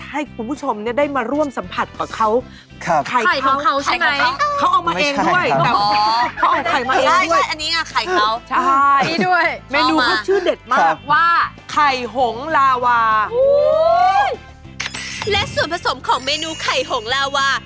ให้คุณผู้ชมได้มาร่วมสัมผัสกว่าเค้า